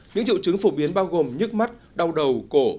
những triệu chứng phổ biến bao gồm nhức mắt đau đầu cổ